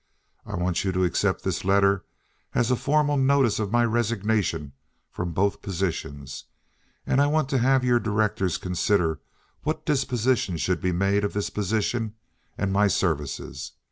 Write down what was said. I want you to accept this letter as formal notice of my resignation from both positions, and I want to have your directors consider what disposition should be made of this position and my services.